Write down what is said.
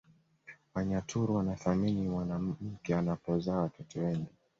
Wanyaturu wanathamini mwanamke anapozaa watoto wengi